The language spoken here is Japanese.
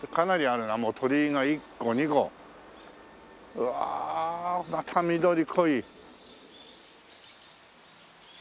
うわまた緑濃い。